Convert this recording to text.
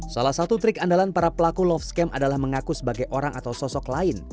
salah satu trik andalan para pelaku love scam adalah mengaku sebagai orang atau sosok lain